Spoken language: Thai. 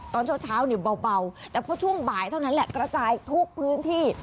ตอนเช้าเนี่ยเบาแต่พอช่วงบ่ายเท่านั้นแหละกระจายทุกพื้นที่